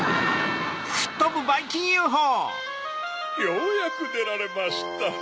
ようやくでられました。